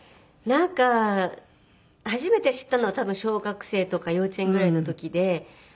なんか初めて知ったのは多分小学生とか幼稚園ぐらいの時で。